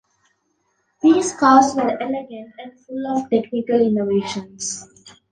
These cars were elegant and full of technical innovations.